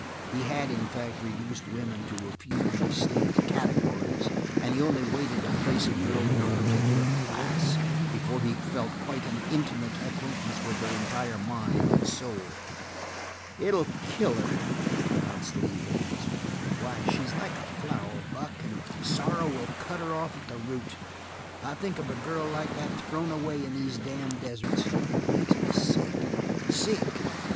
He had, in fact, reduced women to a few distinct categories, and he only waited to place a girl in her particular class before he felt quite intimate acquaintance with her entire mind and soul. "It'll kill her," pronounced Lee Haines. "Why, she's like a flower, Buck, and sorrow will cut her off at the root. Think of a girl like that thrown away in these damned deserts! It makes me sick sick!